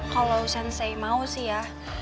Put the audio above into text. kalo sensei mau sih ya